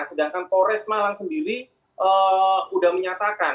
sedangkan polres malang sendiri sudah menyatakan